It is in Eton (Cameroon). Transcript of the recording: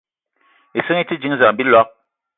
Ìsínga í te dínzan á bíloig